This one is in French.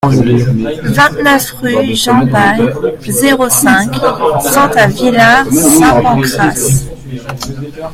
vingt-neuf rue Jean Bayle, zéro cinq, cent à Villar-Saint-Pancrace